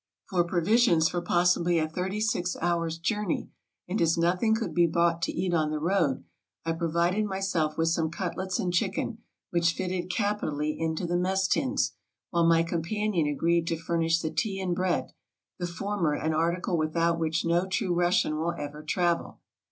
For provisions for possibly a thirty six hours' journey, and as nothing could be bought to eat on the road, I pro vided myself with some cutlets and chicken, which fitted capitally into the mess tins, while my companion agreed to furnish the tea and bread, the former an article without which no true Russian will ever travel.